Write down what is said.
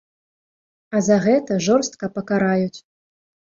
А за гэта жорстка пакараюць.